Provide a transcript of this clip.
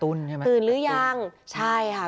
ลองไปดูบรรยากาศช่วงนั้นนะคะ